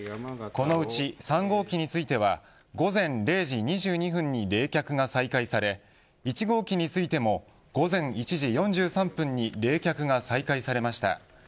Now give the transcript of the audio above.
このうち３号機については午前０時２２分に冷却が再開され１号機についても午前１時４３分に冷却が再開されました。